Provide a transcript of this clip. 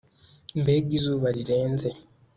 mbega izuba rirenze